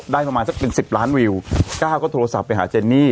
ประมาณสักหนึ่งสิบล้านวิวก้าวก็โทรศัพท์ไปหาเจนนี่